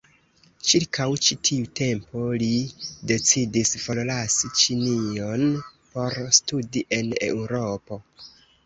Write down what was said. Ĉirkaŭ ĉi tiu tempo li decidis forlasi Ĉinion por studi en Eŭropo.